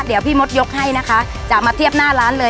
เดี๋ยวพี่มดยกให้นะคะจะมาเทียบหน้าร้านเลย